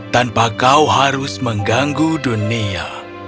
tanpa kau harus mengganggu dunia